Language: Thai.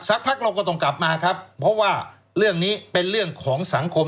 พักเราก็ต้องกลับมาครับเพราะว่าเรื่องนี้เป็นเรื่องของสังคม